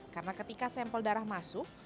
karena ketika sampel darah masuk